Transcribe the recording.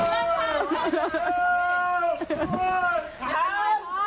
อัศนา